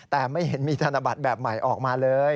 แต่ไม่เห็นมีธนบัตรแบบใหม่ออกมาเลย